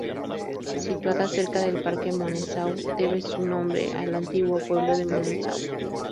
Situada cerca del parque Monceau debe su nombre al antiguo pueblo de Monceau.